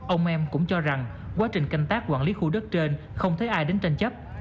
ông em cũng cho rằng quá trình canh tác quản lý khu đất trên không thấy ai đến tranh chấp